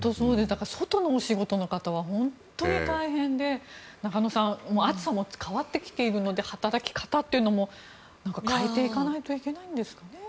外の仕事の方は本当に大変で中野さん暑さも変わってきているので働き方も変えていかないといけないんですかね。